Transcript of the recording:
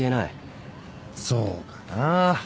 そうかな。